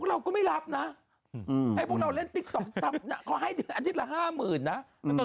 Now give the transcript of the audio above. เลยทีเดียวลองไปดูนี้หนึ่ง